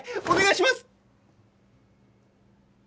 お願いします！